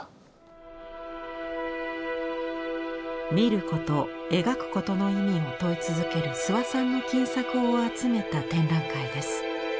「視ること・描くこと」の意味を問い続ける諏訪さんの近作を集めた展覧会です。